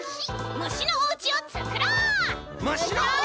むしのおうちをつくろう！